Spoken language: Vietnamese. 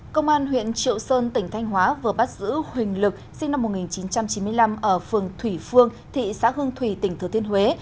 công an huyện triệu sơn tỉnh thanh hóa vừa bắt giữ huỳnh lực sinh năm một nghìn chín trăm chín mươi năm ở phường thủy phương thị xã hương thủy tỉnh thừa thiên huế